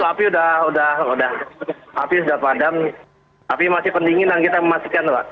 tapi untuk api sudah padam api masih pendinginan kita memastikan pak